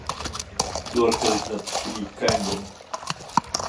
Du orkade knappt skrika en gång.